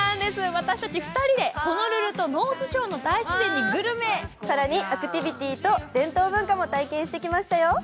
私たち２人で、ホノルルとノースショアの大自然、更にアクティビティーと伝統文化も体験してきましたよ。